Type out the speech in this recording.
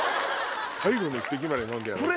最後の一滴まで飲んでやろうって。